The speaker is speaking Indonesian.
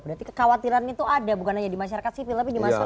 berarti kekhawatiran itu ada bukan hanya di masyarakat sipil tapi di masyarakat